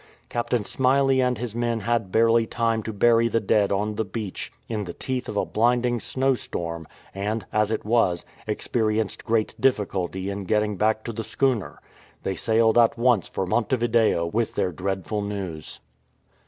Captain Smyley and his men had barely time to bury the dead on the beach in the teeth of a blinding snowstorm, and, as it was, experienced great difficulty in getting back to the schooner. They sailed at once for Monte Video with their dreadful news.